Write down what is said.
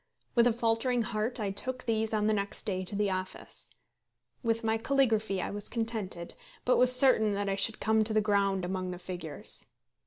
With a faltering heart I took these on the next day to the office. With my caligraphy I was contented, but was certain that I should come to the ground among the figures.